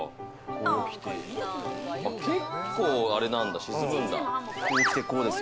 結構あれなんだ、沈むんだ。